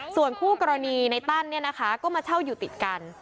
ส่วนคู่กรณีในตั้นเนี่ยนะคะก็มาเช่าอยู่ติดกัน